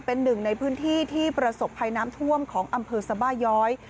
เป็นหนึ่งในพื้นที่ที่ประสบภัยน้ำท่วมของอำเภอสบาย้อย